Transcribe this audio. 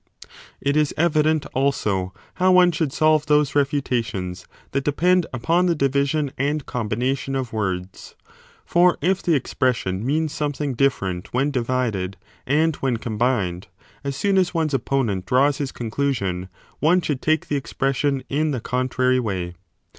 It is evident also how one should solve those refutations 2C that depend upon the division and combination of words : for if the expression means something different when 35 divided and when combined, as soon as one s opponent draws his conclusion one should take the expression in the 1 177*28. Read o e CHAPTER XX i 77 a contrary way.